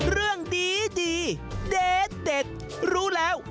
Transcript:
เรื่องดีเด็ดรู้แล้ว